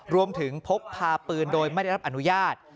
พกพาปืนโดยไม่ได้รับอนุญาต